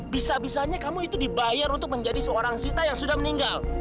bisa bisanya kamu itu dibayar untuk menjadi seorang sita yang sudah meninggal